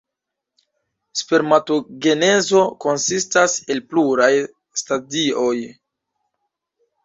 Spermatogenezo konsistas el pluraj stadioj.